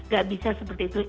gak bisa seperti itu